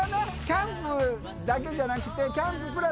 キャンプだけじゃなくて。